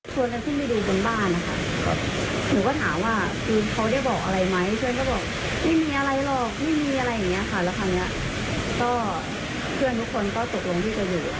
ฟังเสียงแหละค่ะแต่เมื่อกี้มีเสียงข้างชิดประตูค่ะ